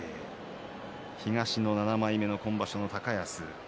東の７枚目の今場所の高安。